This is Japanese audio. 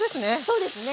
そうですね。